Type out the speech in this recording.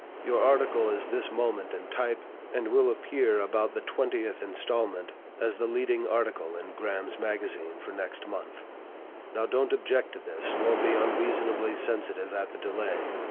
Your article is this moment in type, and will appear about the 20th inst., as the leading article in 'Graham's Magazine' for next month. Now don't object to this, nor be unreasonably sensitive at the delay.